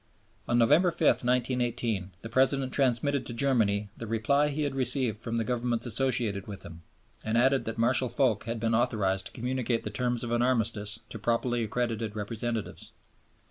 On November 5, 1918, the President transmitted to Germany the reply he had received from the Governments associated with him, and added that Marshal Foch had been authorized to communicate the terms of an armistice to properly accredited representatives.